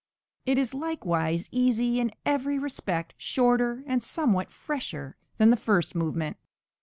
It is likewise easy in every respect, shorter, and somewhat fresher than the first movement.